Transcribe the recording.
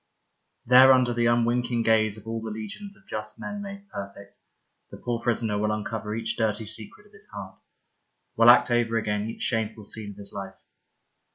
There under the unwinking gaze of all the legions of just men made perfect, the poor prisoner will uncover each dirty secret of his heart, will act over again each shameful scene of his life.